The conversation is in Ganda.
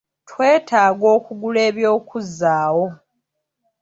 Twetaaga okugula eby'okuzzaawo.